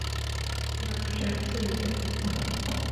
Votre chaise, s’il vous plaît.